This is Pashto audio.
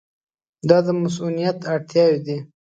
دا د مصونیت اړتیاوې دي.